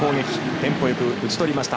テンポよく打ち取りました。